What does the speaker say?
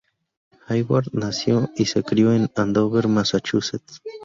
Hayward nació y se crió en Andover, Massachusetts.